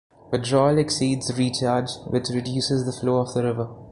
Withdrawal exceeds recharge which reduces the flow of the river.